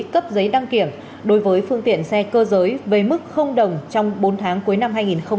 cấp giấy đăng kiểm đối với phương tiện xe cơ giới với mức đồng trong bốn tháng cuối năm hai nghìn hai mươi